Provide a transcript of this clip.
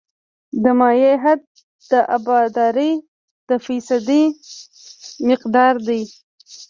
د مایع حد د ابدارۍ د فیصدي مقدار دی